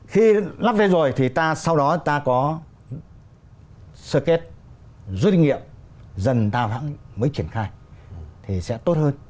khi lắp đây rồi thì sau đó ta có sơ kết doanh nghiệp dần đào hẳn mới triển khai thì sẽ tốt hơn